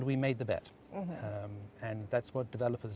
menemukan beberapa tempat yang menarik